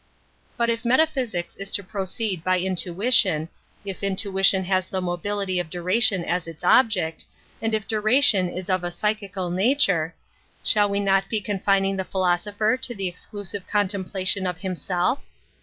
^^^ But if metaphysics is to proceed by in \ ition, if intuition has the mobility of duration as its object, and if duration is of a psychical naturo^ shall we not be con fining the philosopher to the exclusive contemplation of himself?